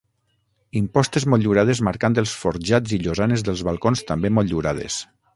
Impostes motllurades marcant els forjats i llosanes dels balcons també motllurades.